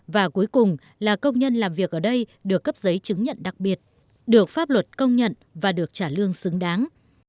và cuối cùng là công nhân làm việc ở đây được cấp giấy chứng nhận đặc biệt được pháp luật công nhận và được trả lương xứng đáng